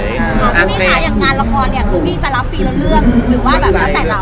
งานละครเนี่ยคุณพี่จะรับปีละเลือกหรือว่าแบบแล้วแต่เรา